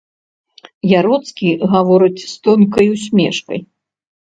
Яроцкі гаворыць з тонкай усмешкай.